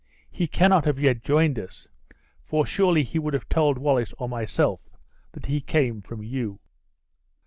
He cannot have yet joined us, for surely he would have told Wallace or myself that he came from you?"